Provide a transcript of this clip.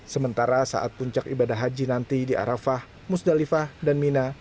sementara saat puncak ibadah haji nanti di arafah musdalifah dan mina